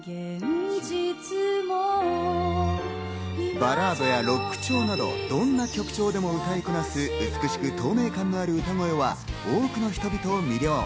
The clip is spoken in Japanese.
バラードやロック調などどんな曲調でも歌いこなす、美しく透明感のある歌声は多くの人々を魅了。